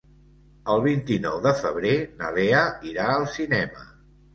El vint-i-nou de febrer na Lea irà al cinema.